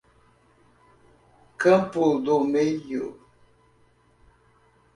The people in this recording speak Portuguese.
Campo do Meio